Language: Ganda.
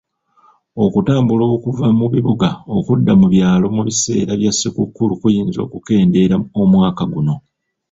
Okutambula okuva mu bibuga okudda mu byalo mu biseera bya ssekukkulu kuyinza okukendeera omwaka guno.